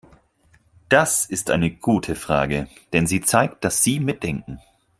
Das ist eine gute Frage, denn sie zeigt, dass Sie mitdenken.